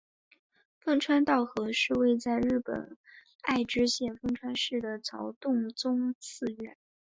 丰川稻荷是位在日本爱知县丰川市的曹洞宗寺院。